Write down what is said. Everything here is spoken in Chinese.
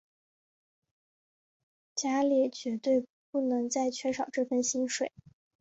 家里绝对不能再缺少这份薪水